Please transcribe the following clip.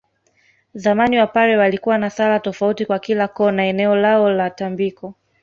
Zamani Wapare walikuwa na sala tofauti kwa kila koo na eneo lao la tambiko